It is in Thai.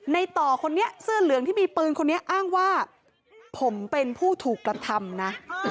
ในต่อคนนี้เสื้อเหลืองที่มีปืนคนนี้อ้างว่าผมเป็นผู้ถูกกระทำนะ